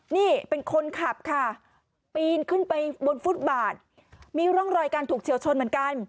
นี่เป็นคนขับค่ะปีนขึ้นไปบนฟุตบาทมีร่องรอยการถูกเฉียวชนเหมือนกัน